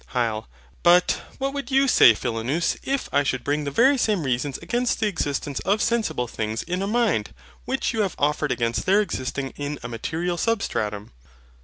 HYL. But, what would you say, Philonous, if I should bring the very same reasons against the existence of sensible things IN A MIND, which you have offered against their existing IN A MATERIAL SUBSTRATUM?